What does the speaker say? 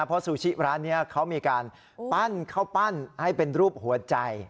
เพราะซูชิร้านนี้เขามีการปั้นข้าวปั้นให้เป็นรูปหัวใจ